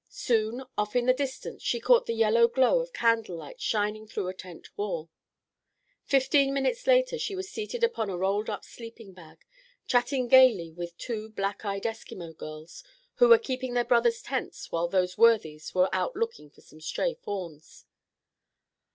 Soon, off in the distance, she caught the yellow glow of candlelight shining through a tent wall. Fifteen minutes later she was seated upon a rolled up sleeping bag, chatting gayly with two black eyed Eskimo girls who were keeping their brothers' tents while those worthies were out looking for some stray fauns.